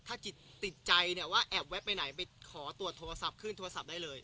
ถ้าจิตติดใจเนี่ยว่าแอบแวะไปไหนไปขอตรวจโทรศัพท์ขึ้นโทรศัพท์ได้เลย